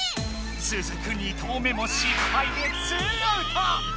つづく２投目も失敗で２アウト！